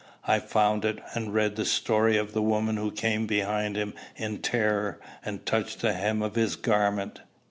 I found it, and read the story of the woman who came behind him in terror, and touched the hem of his garment.